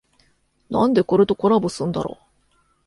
なんでこれとコラボすんだろ